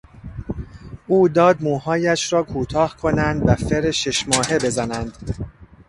او داد موهایش را کوتاه کنند و فر شش ماهه بزنند.